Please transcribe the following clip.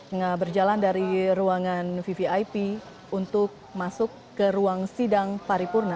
enggak berjalan dari ruangan vivi ip untuk masuk ke ruang sidang paripurna